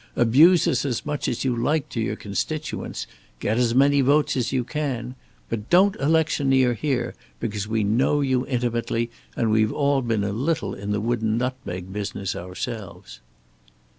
Abuse us as much as you like to your constituents. Get as many votes as you can. But don't electioneer here, because we know you intimately, and we've all been a little in the wooden nutmeg business ourselves."